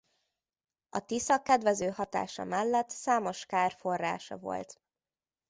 A Tisza kedvező hatása mellett számos kár forrása volt.